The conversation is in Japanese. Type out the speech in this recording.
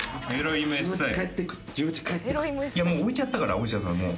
いやもう置いちゃったから大城さんもう。